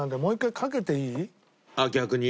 あっ逆に？